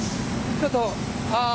ちょっとあ。